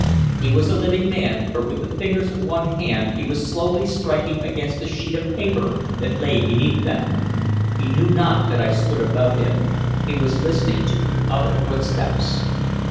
He was a living man, for with the fingers of one hand he was slowly striking against a sheet of paper that lay beneath them. He knew not that I stood above him; he was listening to other footsteps.